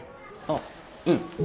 あっうん。